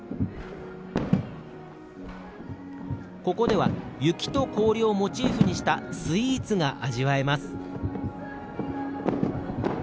ここでは雪と氷をモチーフにしたスイーツが味わえます。